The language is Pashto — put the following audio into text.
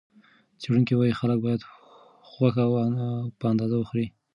څېړونکي وايي، خلک باید غوښه په اندازه وخوري.